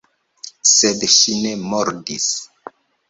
Sed ŝi ne mordis.